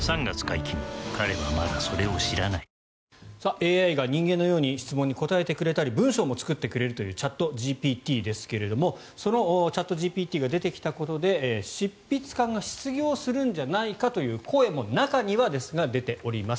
ＡＩが人間のように質問に答えてくれたり文章も作ってくれるというチャットＧＰＴですがそのチャットＧＰＴが出てきたことで執筆家が失業するんじゃないかという声も中にはですが出ております。